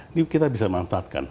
ini kita bisa manfaatkan